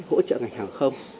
hỗ trợ ngành hàng không